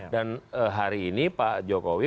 dan hari ini pak jokowi